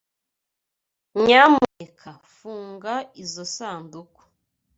Nyamuneka fungura izoi sanduku.